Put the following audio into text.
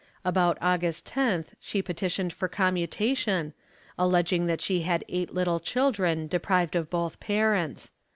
About August 10th she petitioned for commutation, alleging that she had eight little children, deprived of both parents.